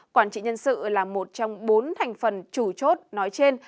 quản trị nhân sự là một trong bốn thành phần chủ chốt nói trên